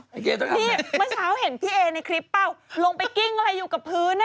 พี่เมื่อเช้าเห็นพี่เอในคลิปเปล่าลงไปกิ้งอะไรอยู่กับพื้นอ่ะ